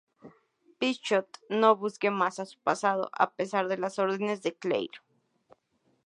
Psycho no busque más a su pasado, a pesar de las órdenes de Claire.